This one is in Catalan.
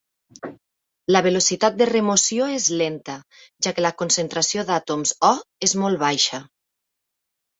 La velocitat de remoció és lenta, ja que la concentració d'àtoms O és molt baixa.